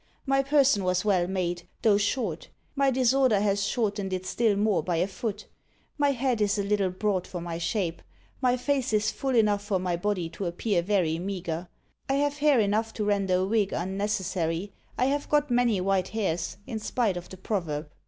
My person was well made, though short; my disorder has shortened it still more by a foot. My head is a little broad for my shape; my face is full enough for my body to appear very meagre; I have hair enough to render a wig unnecessary; I have got many white hairs, in spite of the proverb.